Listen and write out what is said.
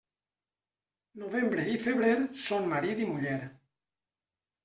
Novembre i febrer són marit i muller.